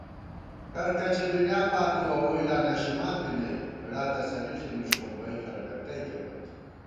کرکچی دُنیا بالُوَہ ووئی لا نشِمان بی نئ * ہېڑا تسلی ݪی نِݭوم بئ خلَکہ تئیکے پت